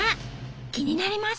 気になります。